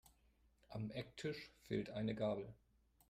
Am Ecktisch fehlt eine Gabel.